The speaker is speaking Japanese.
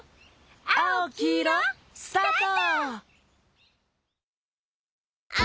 「あおきいろ」スタート！